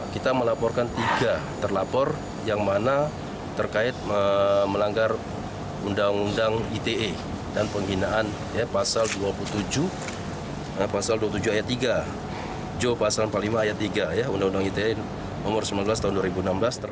kita melaporkan tiga terlapor yang mana terkait melanggar undang undang ite dan penghinaan pasal dua puluh tujuh pasal dua puluh tujuh ayat tiga jo pasal empat puluh lima ayat tiga undang undang ite nomor sembilan belas tahun dua ribu enam belas